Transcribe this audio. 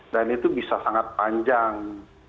dan itu bisa sangat panjang